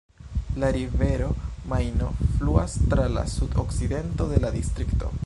La rivero Majno fluas tra la sud-okcidento de la distrikto.